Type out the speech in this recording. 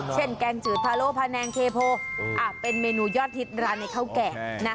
เช่นแกงจืดภาโลภาแนงเทโภเป็นเมนูยอดทิศร้านในเข้าแก่นะ